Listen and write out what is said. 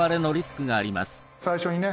最初にね